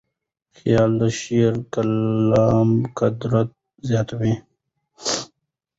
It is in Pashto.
خیال د شعري کلام قدرت زیاتوي.